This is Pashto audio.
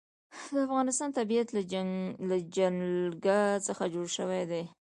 د افغانستان طبیعت له جلګه څخه جوړ شوی دی.